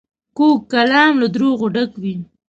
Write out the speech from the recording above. کوږ کلام له دروغو ډک وي